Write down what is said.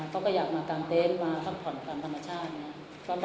เขาก็อยากมาตามเต็นต์มาพักผ่อนตามธรรมชาติ